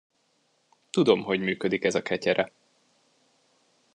Tudom, hogy működik ez a ketyere.